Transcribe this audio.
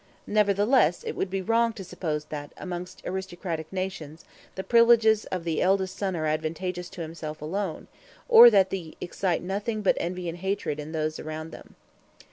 Nevertheless it would be wrong to suppose that, amongst aristocratic nations, the privileges of the eldest son are advantageous to himself alone, or that they excite nothing but envy and hatred in those around him.